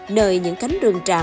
nơi những cánh rừng tràm